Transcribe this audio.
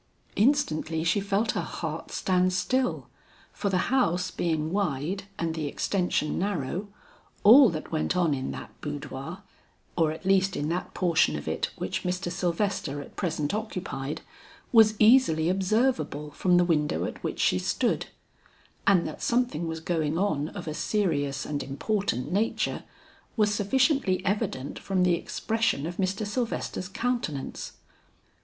Instantly she felt her heart stand still, for the house being wide and the extension narrow, all that went on in that boudoir, or at least in that portion of it which Mr. Sylvester at present occupied, was easily observable from the window at which she stood; and that something was going on of a serious and important nature, was sufficiently evident from the expression of Mr. Sylvester's countenance.